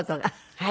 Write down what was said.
はい。